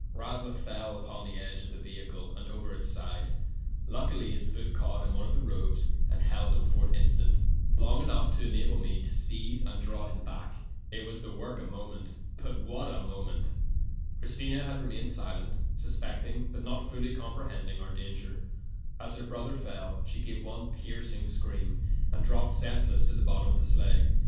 Rasloff fell upon of the vehicle and over Luckily, his foot caught of the robes and held him for an in stant —long enough to enable me seize and him back, a moment !" Christina had remained silent, suspecting, but not fully comprehending our danger. As her brother fell she gave one piercing scream and dropped senseless to the bottom of the sleigh.